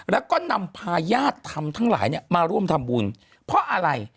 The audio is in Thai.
แล้วก็นำพาญาติธรรมทั้งหลายเนี่ยมาร่วมทำบุญเพราะอะไร